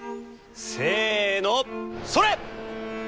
せのそれ！